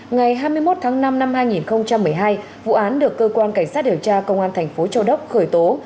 ngày hai mươi một tháng năm năm hai nghìn một mươi hai vụ án được cơ quan cảnh sát điều tra công an thành phố châu đốc khởi tố